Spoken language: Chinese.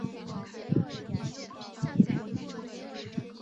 此一转变使得热带神经衰弱的致病因由气候转变为压抑欲望。